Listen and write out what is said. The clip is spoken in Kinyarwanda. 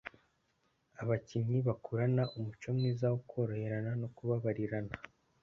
abakinnyi bakurana umuco mwiza wo koroherana no kubabarirana,